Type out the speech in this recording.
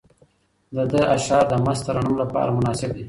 د ده اشعار د مست ترنم لپاره مناسب دي.